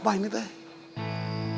sudah aman om ada apa ini